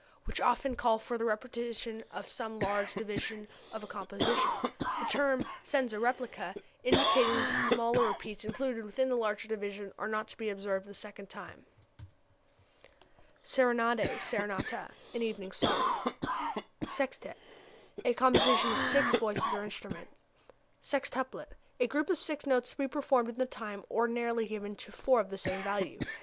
which often call for the repetition of some large division of a composition, the term senza replica indicating that the smaller repeats included within the larger division are not to be observed the second time. [Transcriber's Note: Corrected misspelling "senza repetitione" in original.] Serenade, serenata an evening song. Sextet a composition for six voices or instruments. Sextuplet a group of six notes to be performed in the time ordinarily given to four of the same value.